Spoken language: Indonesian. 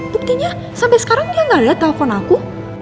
buktinya sampai sekarang dia nggak lihat telepon aku